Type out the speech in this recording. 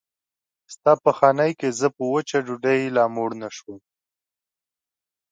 ستا په خانۍ کې زه په وچه ډوډۍ لا موړ نه شوم.